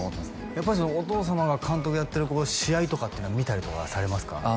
やっぱりお父様が監督やってる試合とかっていうのは見たりとかされますか？